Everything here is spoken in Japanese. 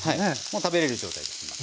もう食べれる状態です今。